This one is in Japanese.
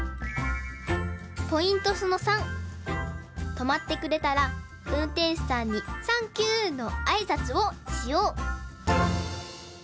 とまってくれたらうんてんしゅさんに「サンキュー！」のあいさつをしよう！